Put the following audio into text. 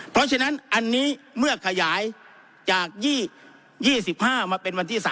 เพราะฉะนั้นอันนี้เมื่อขยายจาก๒๕มาเป็นวันที่๓